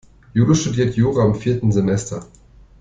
Jule studiert Jura im vierten Semester.